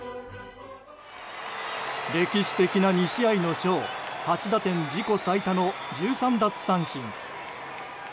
歴史的な２試合のショー８打点、自己最多の１３奪三振。